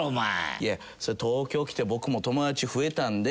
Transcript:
いやそりゃ東京来て僕も友達増えたんで。